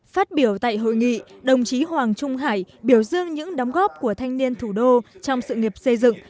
phát biểu tại hội nghị đồng chí hoàng trung hải biểu dương những đóng góp của thanh niên thủ đô trong sự nghiệp xây dựng